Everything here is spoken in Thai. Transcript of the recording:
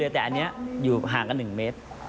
แต่อันนี้อยู่ห่างกัน๑เมตร